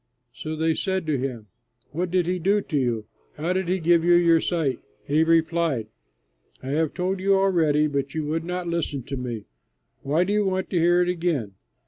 So they said to him, "What did he do to you? How did he give you your sight?" He replied, "I have told you already, but you would not listen to me. Why do you want to hear it again?